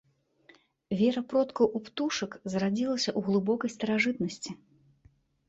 Вера продкаў у птушак зарадзілася ў глыбокай старажытнасці.